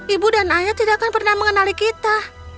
ibu dan ayah tidak akan pernah mengenali kita